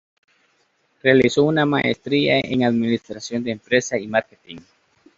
Realizó una maestría en Administración de Empresas y Marketing.